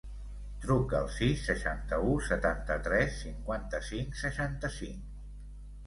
Truca al sis, seixanta-u, setanta-tres, cinquanta-cinc, seixanta-cinc.